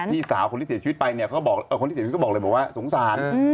พี่สาวคนที่เสียชีวิตไปเนี่ยเขาบอกคนที่เสียชีวิตก็บอกเลยบอกว่าสงสาร